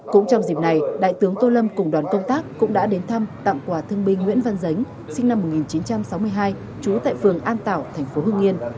cũng trong dịp này đại tướng tô lâm cùng đoàn công tác cũng đã đến thăm tặng quà thương binh nguyễn văn dính sinh năm một nghìn chín trăm sáu mươi hai trú tại phường an tảo thành phố hưng yên